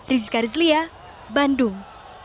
rizka rizlia bandung